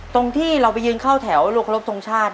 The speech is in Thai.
ตรงที่ที่เราไปยืนเข้าแถวทรงชาติ